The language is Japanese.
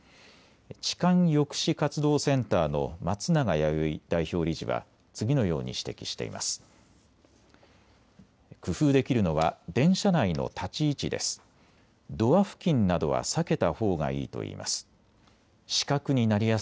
痴漢抑止活動センターの松永弥生代表理事は次のように指摘しています。